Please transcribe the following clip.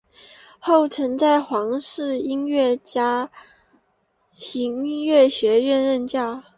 后曾在皇家音乐学院任教。